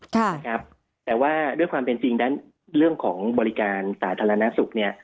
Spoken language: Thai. แต่ว่าด้วยความเป็นจริงด้านเรื่องของบริการสารธรรณสุข